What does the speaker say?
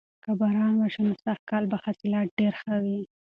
که باران وشي نو سږکال به حاصلات ډیر ښه وي.